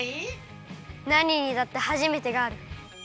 なににだってはじめてがある！